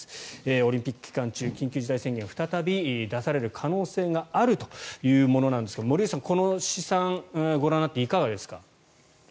オリンピック期間中緊急事態宣言が再び出される可能性があるというものなんですが森内さん、この試算をご覧になっていかがですか？